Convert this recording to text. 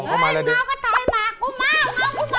อย่าเข้าให้ปากท้องหมา